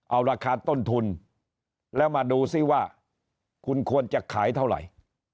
เอาราคาต้นทุนแล้วมาดูซิว่าคุณควรจะขายเท่าไหร่